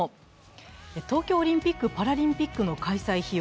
東京オリンピック・パラリンピックの開催費用